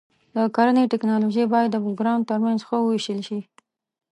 د کرنې ټکنالوژي باید د بزګرانو تر منځ ښه وویشل شي.